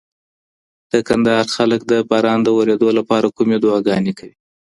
د کندهار خلګ د باران د ورېدو لپاره کومې دعاګانې کوي؟